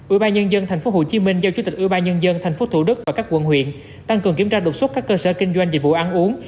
ủy ban nhân dân tp hcm giao chủ tịch ủy ban nhân dân tp thủ đức và các quận huyện tăng cường kiểm tra đột xuất các cơ sở kinh doanh dịch vụ ăn uống